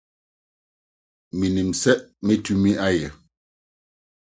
Minim sɛ metumi ayɛ.